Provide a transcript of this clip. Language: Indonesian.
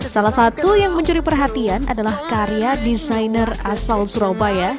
salah satu yang mencuri perhatian adalah karya desainer asal surabaya